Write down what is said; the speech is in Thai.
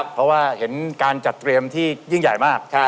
เพราะว่าเห็นการจัดเตรียมที่ยิ่งใหญ่มาก